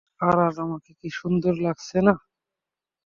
আর আজ আমাকে কি সুন্দর লাগছে না?